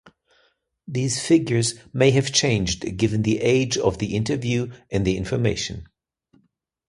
These figures may have changed given the age of the interview and the information.